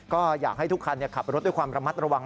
ก็อยากให้ทุกคันขับรถด้วยความระมัดระวัง